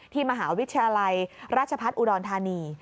มหาวิทยาลัยราชพัฒน์อุดรธานี